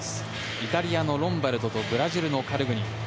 イタリアのロンバルドとブラジルのカルグニン。